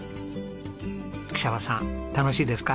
喜舎場さん楽しいですか？